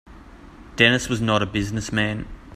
Dennis was not a business man.